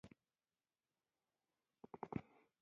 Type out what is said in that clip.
د کابل ښکلا پیکه شوه.